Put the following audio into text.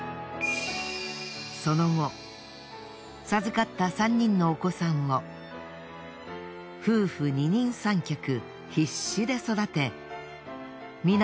その後授かった３人のお子さんを夫婦二人三脚必死で育て皆